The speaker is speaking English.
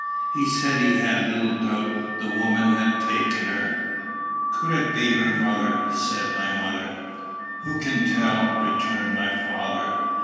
He said he had little doubt the woman had taken her. "Could it be her mother?" said my mother. "Who can tell?" returned my father.